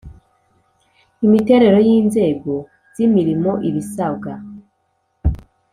Imiterere y inzego z imirimo ibisabwa